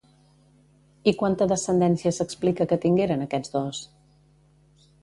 I quanta descendència s'explica que tingueren aquests dos?